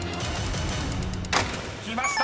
［きました。